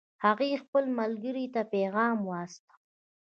هغې خپل ملګرې ته پیغام واستاوه